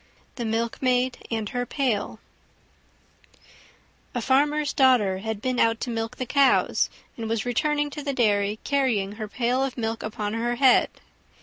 THE MILKMAID AND HER PAIL A farmer's daughter had been out to milk the cows, and was returning to the dairy carrying her pail of milk upon her head.